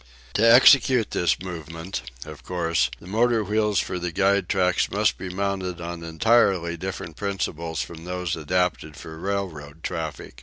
To execute this movement, of course, the motor wheels for the guide tracks must be mounted on entirely different principles from those adapted for railroad traffic.